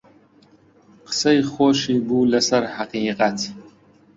قسەی خۆشی بوو لەسەر حەقیقەت